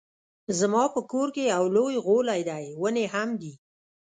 زما په کور کې يو لوی غولی دی ونې هم دي